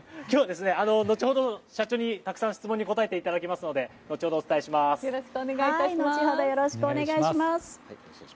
今日は後ほど社長にたくさん質問に答えていただきますのでよろしくお願いします。